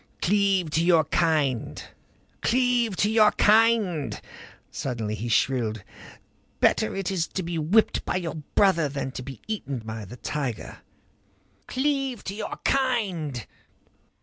"Cleave to your kind! Cleave to your kind!" Suddenly he shrilled. "Better is it to be whipped by your brother than to be eaten by the tiger. Cleave to your kind.